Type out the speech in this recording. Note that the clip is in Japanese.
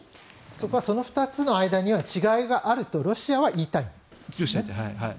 そこはその２つの間には違いはあるとロシアは言いたいんです。